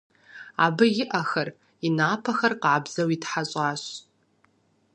Абы и ӏэхэр, и напэр къабзэу итхьэщӏащ.